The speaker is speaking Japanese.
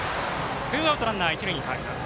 ツーアウト、ランナー、一塁に変わります。